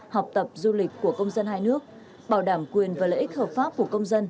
học tập du lịch của công dân hai nước bảo đảm quyền và lợi ích hợp pháp của công dân